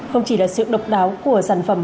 không chỉ là sự độc đáo của sản phẩm